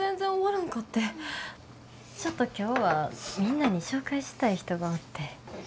ちょっと今日はみんなに紹介したい人がおって。